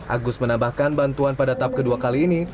agus menambahkan bantuan pada tahap kedua kali ini